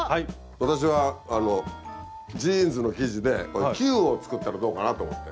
私はあのジーンズの生地で球を作ったらどうかなと思って。